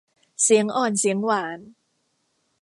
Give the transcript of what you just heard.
เสียงอ่อนเสียงหวาน